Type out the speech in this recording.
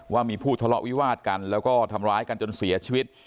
ว่ามีผู้ทะเลาะวิวาดกันแล้วก็ทำร้ายกันจนเสียชีวิต